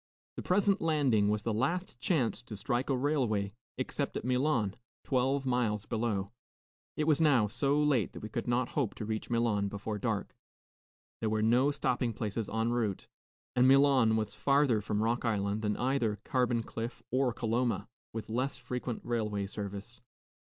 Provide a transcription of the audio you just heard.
The present landing was the last chance to strike a railway, except at Milan, twelve miles below. It was now so late that we could not hope to reach Milan before dark; there were no stopping places en route, and Milan was farther from Rock Island than either Carbon Cliff or Coloma, with less frequent railway service.